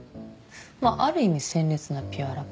ある意味鮮烈なピュアラブ？